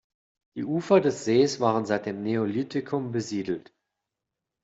Die Ufer des Sees waren seit dem Neolithikum besiedelt.